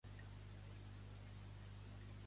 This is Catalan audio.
Al final de la contesa va ser capturat pels franquistes.